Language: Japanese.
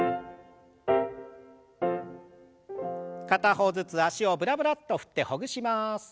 片方ずつ脚をブラブラッと振ってほぐします。